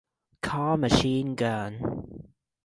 Cal machine gun.